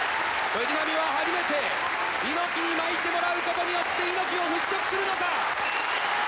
藤波は初めて猪木に巻いてもらうことによって猪木を払拭するのか。